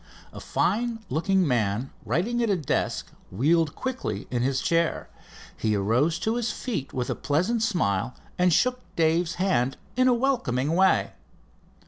A fine looking man writing at a desk wheeled quickly in his chair. He arose to his feet with a pleasant smile and shook Dave's hand in a welcoming way.